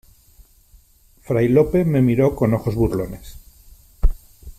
fray Lope me miró con ojos burlones :